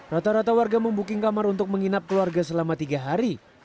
rata rata warga membuking kamar untuk menginap keluarga selama tiga hari